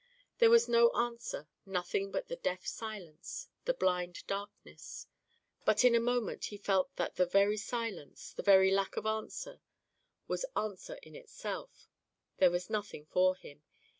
There was no answer, nothing but the deaf silence, the blind darkness. But in a moment he felt that the very silence, the very lack of answer, was answer in itself; there was nothing for him.